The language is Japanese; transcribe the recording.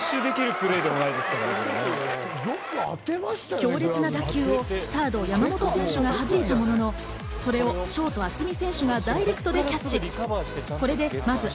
強烈な打球をサードの山本選手がはじいたものの、それをショート・渥美選手がダイレクトでキャッチ。